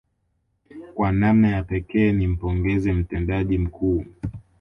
Kwa namna ya pekee ni mpongeze mtendaji mkuu